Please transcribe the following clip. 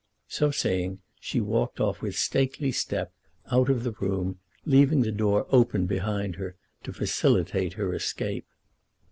So saying, she walked off with stately step, out of the room, leaving the door open behind her to facilitate her escape.